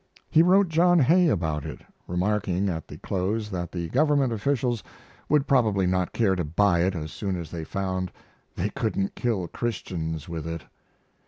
He wrote John Hay about it, remarking at the close that the government officials would probably not care to buy it as soon as they found they couldn't kill Christians with it.